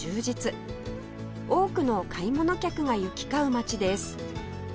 多くの買い物客が行き交う街です